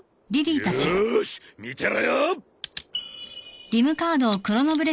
よーし見てろよ！